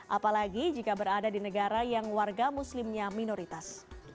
apalagi jika berada di negara yang warga muslimnya minoritas